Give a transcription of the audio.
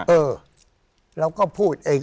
เออเราก็พูดเอง